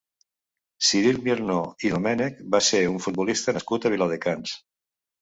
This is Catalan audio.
Ciril Miernau i Domènech va ser un futbolista nascut a Viladecans.